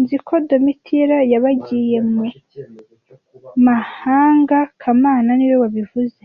Nzi ko Domitira ybagiyemu mahanga kamana niwe wabivuze